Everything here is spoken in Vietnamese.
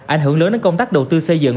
ảnh hưởng lớn đến công tác đầu tư xây dựng